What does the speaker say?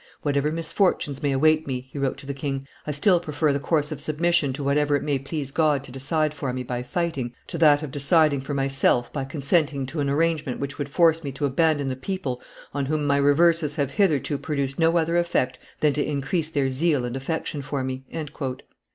"Whatever misfortunes may await me," he wrote to the king, "I still prefer the course of submission to whatever it may please God to decide for me by fighting to that of deciding for myself by consenting to an arrangement which would force me to abandon the people on whom my reverses have hitherto produced no other effect than to increase their zeal and affection for me."